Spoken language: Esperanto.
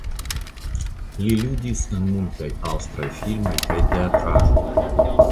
Li ludis en multaj aŭstraj filmoj kaj teatraĵoj.